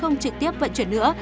không trực tiếp vận chuyển nữa